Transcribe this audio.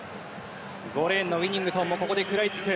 ５レーンのウィニングトンも食らいつく。